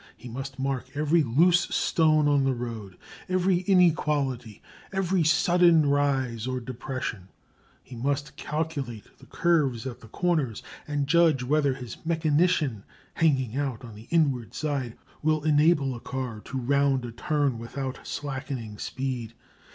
He must mark every loose stone on the road, every inequality, every sudden rise or depression; he must calculate the curves at the corners and judge whether his mechanician, hanging out on the inward side, will enable a car to round a turn without slackening speed.